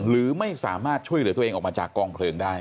หรือไม่สามารถช่วยเหลือตัวเองออกมาจากกองเพลิงได้